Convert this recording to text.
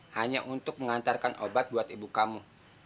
hanya untuk mengantarkan obat buat ibu kamu